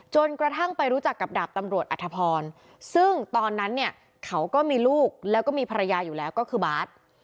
จนกระทั่งไปรู้จักกับดาบตำรวจอัธพรซึ่งตอนนั้นเนี่ยเขาก็มีลูกแล้วก็มีภรรยาอยู่แล้วก็คือบาท